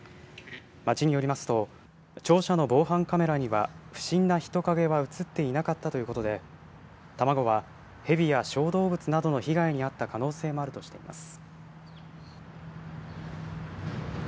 町によりますと庁舎の防犯カメラには不審な人影は映っていなかったということで卵は、蛇や小動物の被害に遭った可能性もあるとしています。